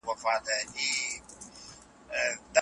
ورکړی دی، په ځانګړي ډول هغه مهال چي دوی لیدل